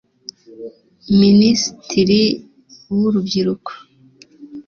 Minisitiri w’urubyiruko